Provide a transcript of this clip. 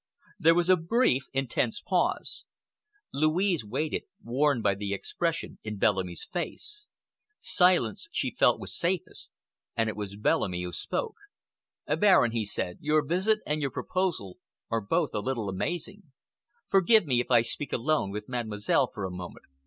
There was a brief, intense pause. Louise waited, warned by the expression in Bellamy's face. Silence, she felt, was safest, and it was Bellamy who spoke. "Baron," said he, "your visit and your proposal are both a little amazing. Forgive me if I speak alone with Mademoiselle for a moment."